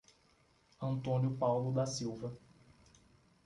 Antônio Paulo da Silva